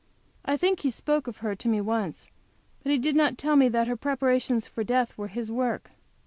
I think he spoke of her to me once; but he did not tell me that her preparations for death was his work.